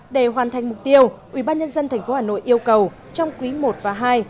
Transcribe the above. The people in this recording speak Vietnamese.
để hoàn thành mục tiêu ủy ban nhân dân tp hà nội yêu cầu trong quý i và ii